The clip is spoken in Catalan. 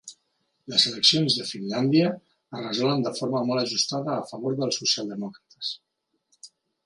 Les eleccions de Finlàndia es resolen de forma molt ajustada a favor dels socialdemòcrates